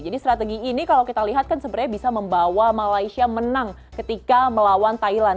jadi strategi ini kalau kita lihat kan sebenarnya bisa membawa malaysia menang ketika melawan thailand